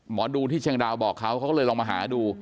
หมอดูที่เชียงดาวบอกเขาเขาก็เลยลองมาหาดู